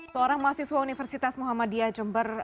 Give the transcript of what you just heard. seorang mahasiswa universitas muhammadiyah jember